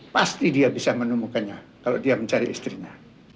pasti dia bisa menemukannya kalau dia mencari istrinya